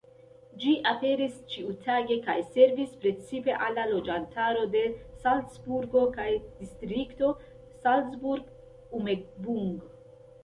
Ĝi aperis ĉiutage kaj servis precipe al la loĝantaro de Salcburgo kaj Distrikto Salzburg-Umgebung.